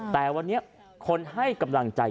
แต่วันนี้คนให้กำลังใจ